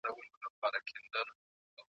پر هرګام چي شکر باسم له اخلاصه .